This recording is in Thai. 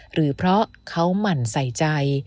หรือเพราะเขาหมั่นใส่ใจ